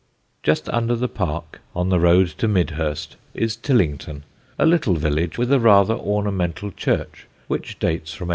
Just under the park on the road to Midhurst is Tillington, a little village with a rather ornamental church, which dates from 1807.